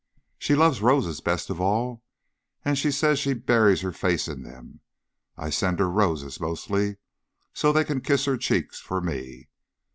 She loves roses best of all and she says she buries her face in them. I send her roses, mostly, so they can kiss her cheeks for me.